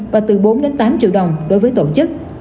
và từ bốn tám triệu đồng đối với tổ chức